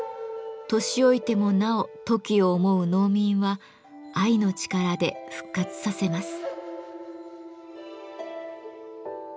年老いてもなおトキを思う農民は愛の力で復活させます。